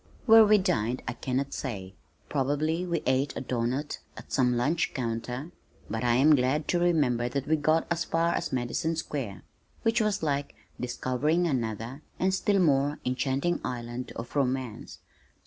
Where we dined I cannot say, probably we ate a doughnut at some lunch counter but I am glad to remember that we got as far as Madison Square which was like discovering another and still more enchanting island of romance.